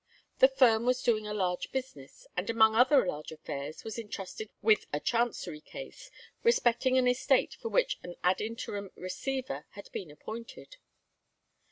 The firm was doing a large business, and among other large affairs was intrusted with a Chancery case, respecting an estate for which an ad interim receiver had been appointed.